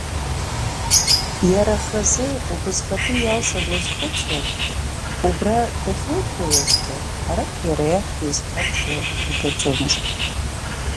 Иара хазы убасҟатәи Иалса длызхәыцуан, убра дахьлыдгылазгьы, арахь иара иахь дизхьарԥшуа ибаӡомызт.